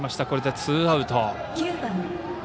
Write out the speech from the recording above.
これでツーアウト。